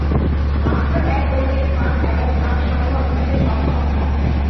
মাত্র এক উইকেট পান ও আট সংগ্রহ করতে সক্ষম হন।